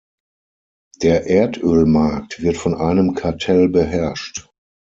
Der Erdölmarkt wird von einem Kartell beherrscht.